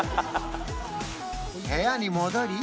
部屋に戻り